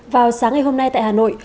vào sáng ngày hôm nay tại hà nội